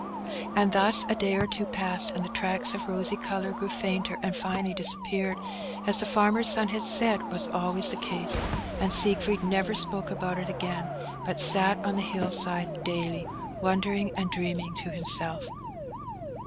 And thus a day or two passed, and the tracts of rosy colour grew fainter, and finally disappeared, as the farmer's son had said was always the case; and Siegfried never spoke about it again, but sat on the hill side daily, wondering and dreaming to himself.